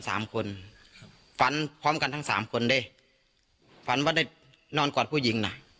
สามคนครับฝันพร้อมกันทั้งสามคนดิฝันว่าได้นอนกอดผู้หญิงน่ะ